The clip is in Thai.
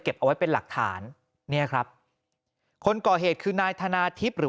เอาไว้เป็นหลักฐานเนี่ยครับคนก่อเหตุคือนายธนาทิพย์หรือ